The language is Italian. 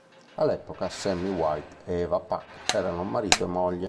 All'epoca Sammy White e Eva Puck erano marito e moglie.